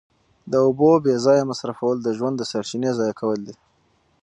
د اوبو بې ځایه مصرفول د ژوند د سرچینې ضایع کول دي.